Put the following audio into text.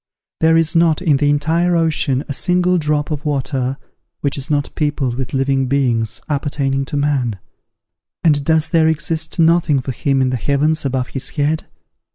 There is not, in the entire ocean, a single drop of water which is not peopled with living beings appertaining to man: and does there exist nothing for him in the heavens above his head?